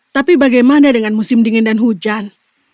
tapi bagaimana dengan musim dingin dan hujan